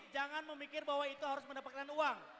jangan memikir bahwa itu harus mendapatkan uang